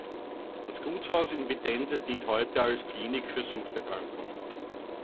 Das Gutshaus in Vitense dient heute als Klinik für Suchterkrankungen.